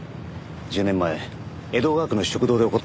１０年前江戸川区の食堂で起こった事件について。